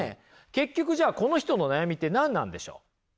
結局じゃあこの人の悩みって何なんでしょう？